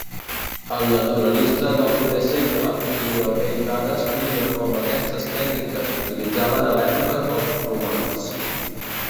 El naturalista del primer segle Plini el Vell va descriure com aquestes tècniques s'utilitzaven a l'època dels romans.